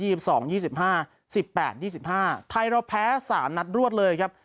ยี่สิบห้าสิบแปดยี่สิบห้าไทยเราแพ้สามนัดรวดเลยครับ